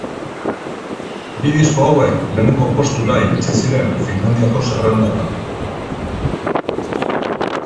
Bi disko hauek lehenengo postura iritsi ziren Finlandiako zerrendatan.